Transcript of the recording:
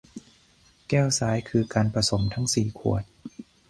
แก้วซ้ายคือการผสมทั้งสี่ขวด